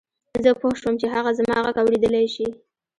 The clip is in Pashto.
زه پوه شوم چې هغه زما غږ اورېدلای شي